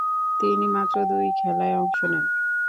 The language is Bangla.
তিনি মাত্র দুই খেলায় অংশ নেন।